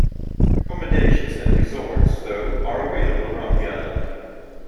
Accommodations and resorts, though, are available around the island.